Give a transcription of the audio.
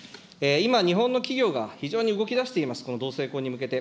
今、日本の企業が非常に動きだしています、この同性婚に向けて。